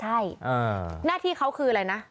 ใช่หน้าที่เขาคืออะไรนะ